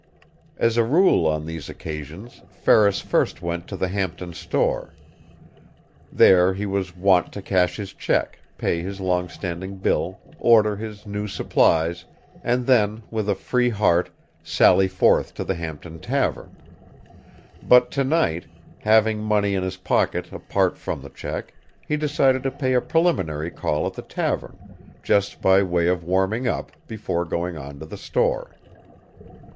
As a rule, on these occasions, Ferris first went to the Hampton store. There he was wont to cash his check, pay his longstanding bill, order his new supplies and then, with a free heart, sally forth to the Hampton tavern. But to night, having money in his pocket apart from the check, he decided to pay a preliminary call at the tavern, just by way of warming up, before going on to the store.